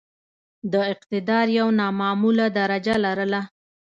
د اقتدار یو نامعموله درجه لرله.